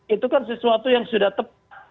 itu kan sesuatu yang sudah tepat